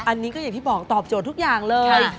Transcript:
อันนี้ก็อย่างที่บอกตอบโจทย์ทุกอย่างเลย